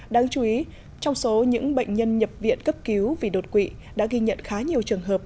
đáng chú ý trong số những bệnh nhân nhập viện cấp cứu vì đột quỵ đã ghi nhận khá nhiều trường hợp